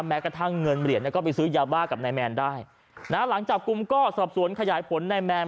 แม้กระทั่งเงินเหรียญเนี่ยก็ไปซื้อยาบ้ากับนายแมนได้นะฮะหลังจับกลุ่มก็สอบสวนขยายผลนายแมน